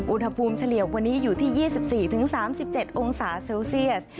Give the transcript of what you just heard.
เฉลี่ยวันนี้อยู่ที่๒๔๓๗องศาเซลเซียส